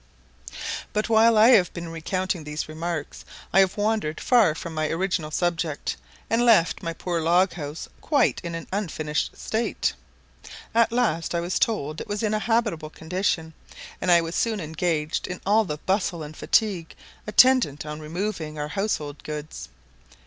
But while I have been recounting these remarks, I have wandered far from my original subject, and left my poor log house quite in an unfinished state. At last I was told it was in a habitable condition, and I was soon engaged in all the bustle and fatigue attendant on removing our household goods.